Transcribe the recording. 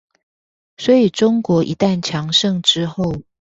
所以中國一旦強盛之後